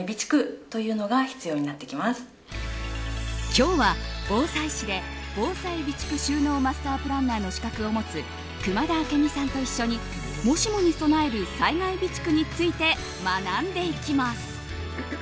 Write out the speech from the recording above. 今日は防災士で防災備蓄収納マスタープランナーの資格を持つ熊田明美さんと一緒にもしもに備える災害備蓄について学んでいきます。